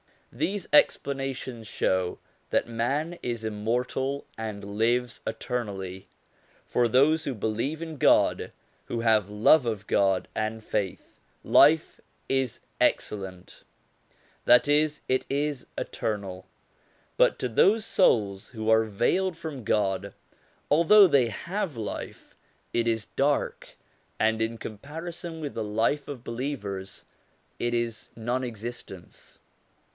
These explanations show that man is immortal and lives eternally. For those who believe in God, who have love of God, and faith, life is excellent that is, it is eternal; but to those souls who are veiled from God, although they have life, it is dark, and in com parison with the life of believers it is non existence.